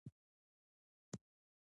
که نقشه وګورو نو لار نه ورکيږي.